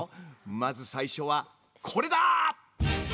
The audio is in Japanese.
まず最初はこれだ！